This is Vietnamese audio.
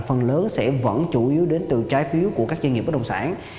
phần lớn sẽ vẫn chủ yếu đến từ trái phiếu của các doanh nghiệp bất đồng sản